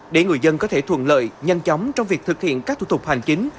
để người dân có thể thuận lợi nhanh chóng trong việc thực hiện các thủ tục hành chính